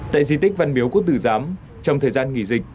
tại di tích văn miếu quốc tử giám trong thời gian nghỉ dịch